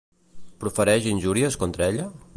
Profereix injúries contra ella?